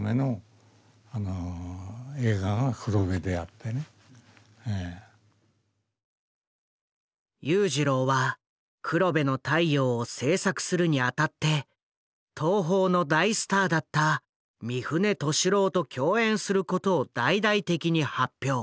とにかく裕次郎は「黒部の太陽」を製作するにあたって東宝の大スターだった三船敏郎と共演することを大々的に発表。